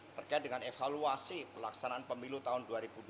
terkait dengan evaluasi pelaksanaan pemilu tahun dua ribu dua puluh